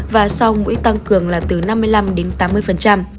và sau mũi tăng cường là từ năm mươi năm đến tám mươi